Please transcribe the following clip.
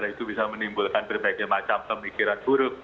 itu bisa menimbulkan berbagai macam pemikiran buruk